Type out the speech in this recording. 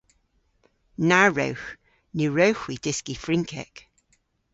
Na wrewgh. Ny wrewgh hwi dyski Frynkek.